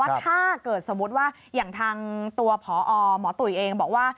ถ้าเกิดสมมุติว่าอย่างทางตัวพอหมอตุ๋ยเองบอกว่า